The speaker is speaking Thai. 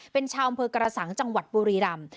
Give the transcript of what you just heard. เป็นชาวอำเภอกระสังจังหวัดบุรีรำ